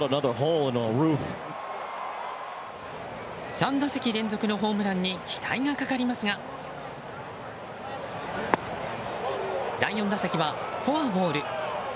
３打席連続のホームランに期待がかかりますが第４打席はフォアボール。